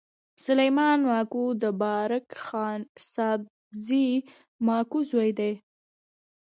سلیمان ماکو د بارک خان سابزي ماکو زوی دﺉ.